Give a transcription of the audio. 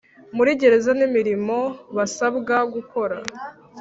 Muri gereza n imirimo basabwa gukora